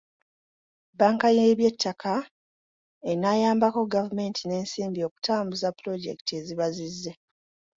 Bbanka y’eby'ettaka enaayambako gavumenti n’ensimbi okutambuza pulojekiti eziba zizze.